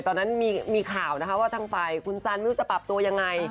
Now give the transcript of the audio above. ตอนนั้นมีข่าวนะคะว่าทางฝ่ายคุณซันไม่รู้จะปรับตัวยังไง